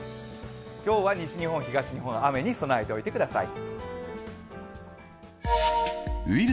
今日は西日本、東日本、雨に備えておいてください。